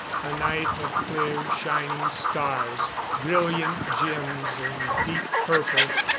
A night of clear shining stars brilliant gems in deep purple.